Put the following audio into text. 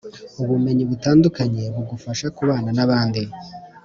ubumenyi butandukanya bugufasha kubana nabandi